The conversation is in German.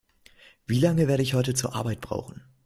Wie lange werde ich heute zur Arbeit brauchen?